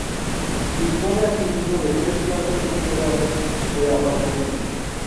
Dispone, asimismo, de tres plantas subterráneas de aparcamiento.